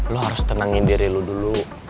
lo harus tenangin diri lo dulu